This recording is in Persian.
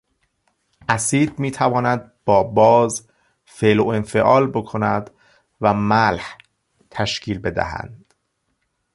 اسید میتواند با باز فعل و انفعال بکند و ملح تشکیل بدهد.